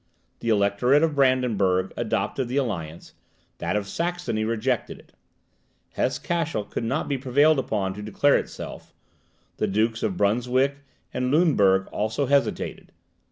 The Electorate of Brandenburg adopted the alliance, that of Saxony rejected it. Hesse Cashel could not be prevailed upon to declare itself, the Dukes of Brunswick and Luneburg also hesitated.